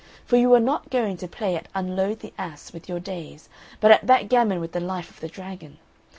for you are not going to play at unload the ass' with your days, but at backgammon with the life of the dragon.